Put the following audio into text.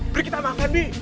beri kita makan bi